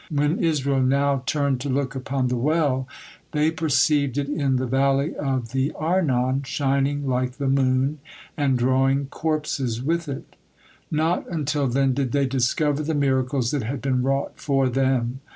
When Israel not turned to look upon the well, they perceived it in the valley of the Arnon, shining like the moon, and drawing corpses with it. Not until then did they discover the miracles that had been wrought for them.